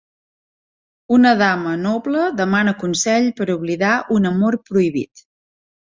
Una dama noble demana consell per oblidar un amor prohibit.